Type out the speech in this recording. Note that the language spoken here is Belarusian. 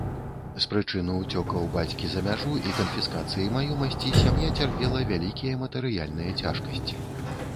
З прычыны ўцёкаў бацькі за мяжу і канфіскацыі маёмасці сям'я цярпела вялікія матэрыяльныя цяжкасці.